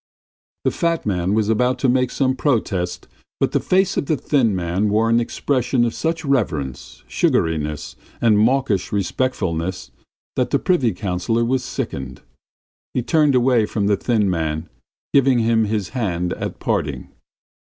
The fat man was about to make some protest, but the face of the thin man wore an expression of such reverence, sugariness, and mawkish respectfulness that the privy councillor was sickened. He turned away from the thin man, giving him his hand at parting.